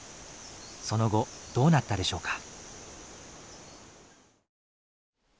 その後どうなったでしょうか。